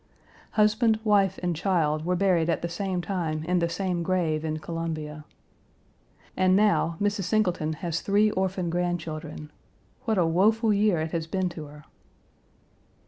Husband, wife, and child were buried at the same time in the same grave in Columbia. And now, Mrs. Singleton has three orphan grandchildren. What a woful year it has been to her.